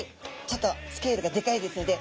ちょっとスケールがでかいですので。